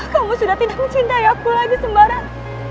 kamu sudah tidak mencintai aku lagi sembarang